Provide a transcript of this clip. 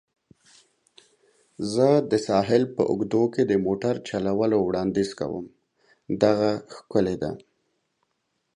زه د ساحل په اوږدو کې د موټر چلولو وړاندیز کوم. دغه ښکلې ده.